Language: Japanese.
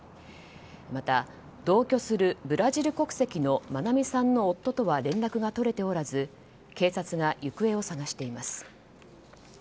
また同居するブラジル国籍の愛美さんの夫とは連絡が取れておらず警察が行方を捜しています。